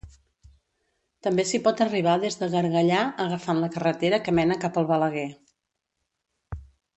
També s'hi pot arribar des de Gargallà agafant la carretera que mena cap al Balaguer.